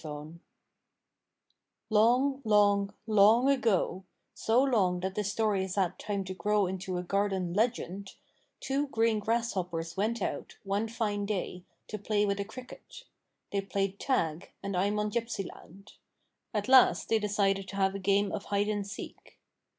Long, long, long ago so long that this story has had time to grow into a garden legend two green grasshoppers went out, one fine day, to play with a cricket. They played tag, and I'm on gypsyland. At last they decided to have a game of hide and seek.